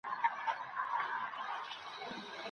بانکونه پانګوالو ته پورونه ورکوي.